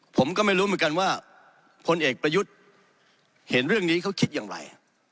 ผมก็ไม่รู้เหมือนกันว่าพลเอกประยุทธ์เห็นเรื่องนี้เขาคิดอย่างไร